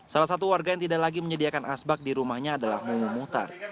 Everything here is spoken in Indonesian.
salah satu warga yang tidak lagi menyediakan asbak di rumahnya adalah muh muhtar